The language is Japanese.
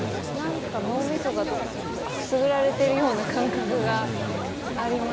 脳みそがどこかくすぐられているような感覚があります。